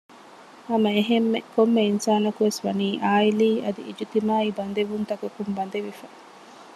ހަމައެހެންމެ ކޮންމެ އިންސާނަކުވެސް ވަނީ ޢާއިލީ އަދި އިޖްތިމާޢީ ބަދެވުންތަކަކުން ބަނދެވިފަ